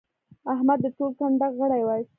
احمد د ټول کنډک غړي واېستل.